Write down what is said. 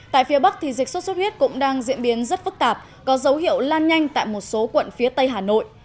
tại phía bắc dịch sốt xuất huyết cũng đang diễn biến rất phức tạp có dấu hiệu lan nhanh tại một số quận phía tây hà nội